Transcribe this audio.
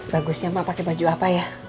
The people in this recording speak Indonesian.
bagusnya pakai baju apa ya